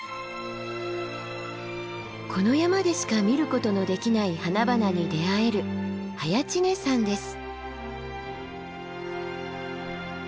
この山でしか見ることのできない花々に出会える早池峰山です。